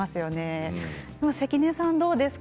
関根さんはどうですか？